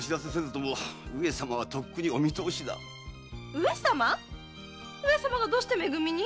上様⁉上様がどうしてめ組に？